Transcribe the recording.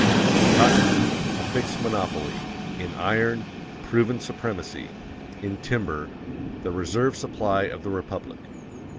_IN COTTON, a fixed monopoly IN IRON, proven supremacy IN TIMBER, the reserve supply of the Republic.